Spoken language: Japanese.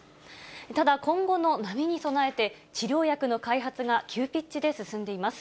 ただ、今後の波に備えて、治療薬の開発が急ピッチで進んでいます。